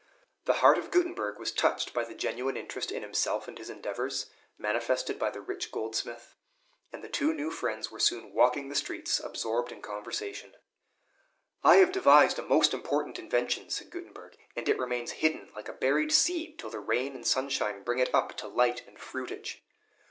The heart of Gutenberg was touched by the genuine interest in himself and his endeavors, manifested by the rich goldsmith; and the two new friends were soon walking the streets absorbed in conversation. "I have devised a most important invention," said Gutenberg, "and it remains hidden like a buried seed till the rain and sunshine bring it up to light and fruitage.